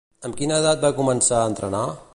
Amb quina edat va començar a entrenar?